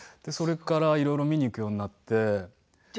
それからいろいろ見に行くようになって。